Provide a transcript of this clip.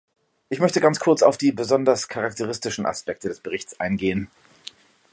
Ich möchte ganz kurz auf die besonders charakteristischen Aspekte des Berichts eingehen.